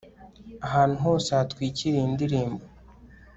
Ahantu hose hatwikiriye indirimbo